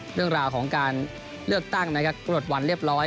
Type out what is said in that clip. เรื่องราวของการเลือกตั้งนะครับกรดวันเรียบร้อย